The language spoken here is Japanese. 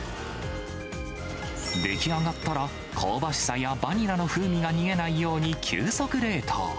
出来上がったら、香ばしさやバニラの風味が逃げないように急速冷凍。